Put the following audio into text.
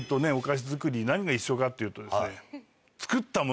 何が一緒かっていうと。